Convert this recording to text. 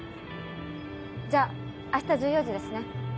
じゃあ明日１４時ですね？